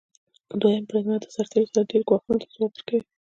دویم بریدمن د سرتیرو سره ډیری ګواښونو ته ځواب ورکوي.